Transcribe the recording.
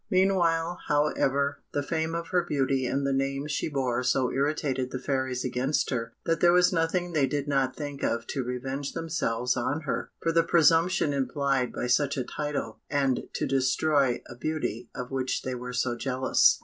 Meanwhile, however, the fame of her beauty and the name she bore so irritated the fairies against her, that there was nothing they did not think of to revenge themselves on her, for the presumption implied by such a title, and to destroy a beauty of which they were so jealous.